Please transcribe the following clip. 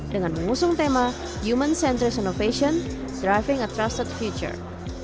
dengan mengusung tema human centrism innovation driving a trusted future